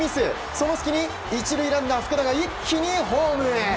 その隙に１塁ランナー福田が一気にホームへ。